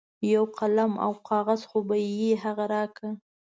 یو قلم او کاغذ خو به وي هغه راکړه.